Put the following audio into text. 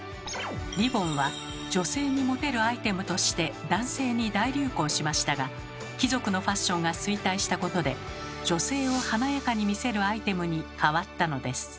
リボンは女性にモテるアイテムとして男性に大流行しましたが貴族のファッションが衰退したことで女性を華やかに見せるアイテムに変わったのです。